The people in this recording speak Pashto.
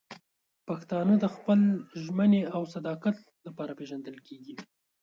پښتانه د خپل ژمنې او صداقت لپاره پېژندل کېږي.